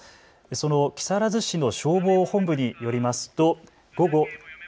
その木更津市の消防本部によりますと。